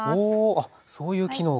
あっそういう機能が。